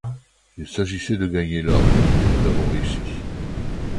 Il s'agissait de gagner l'or et nous avons réussi.